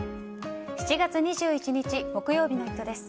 ７月２１日木曜日の「イット！」です。